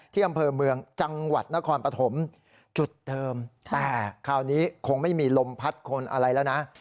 ที่อำเภอเมืองจังหวัดนครปฐมจุดเดิมแต่คราวนี้คงไม่มีลมพัดคนอะไรแล้วนะ